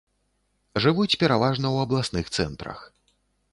Жывуць пераважна ў абласных цэнтрах.